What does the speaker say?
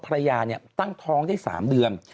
ภรรยาตั้งท้องได้๓เดือน